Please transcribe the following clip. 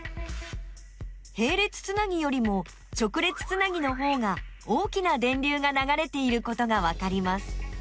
へい列つなぎよりも直列つなぎのほうが大きな電流がながれていることがわかります。